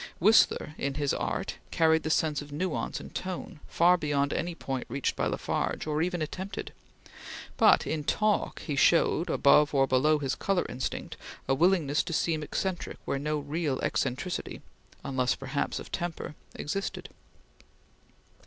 Whistler in his art carried the sense of nuance and tone far beyond any point reached by La Farge, or even attempted; but in talk he showed, above or below his color instinct, a willingness to seem eccentric where no real eccentricity, unless perhaps of temper, existed.